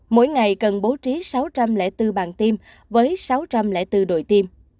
mỗi ngày cần bố trí sáu trăm linh bốn bàn tiêm với sáu trăm linh bốn đội tiêm